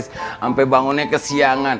sampai bangunnya ke siang